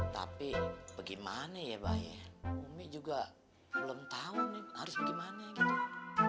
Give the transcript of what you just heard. tapi bagaimana ya pak ya umi juga belum tahu nih harus bagaimana gitu